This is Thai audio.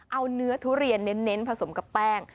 เอาเนื้อทุเรียนเน้นผสมกับแป้ง